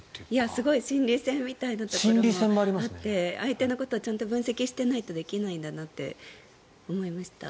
すごい心理戦みたいなところがあって相手のことを分析していないとできないんだなって思いました。